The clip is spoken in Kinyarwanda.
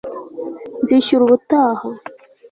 nzishyura ubutaha